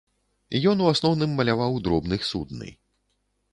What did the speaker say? Ён у асноўным маляваў дробных судны.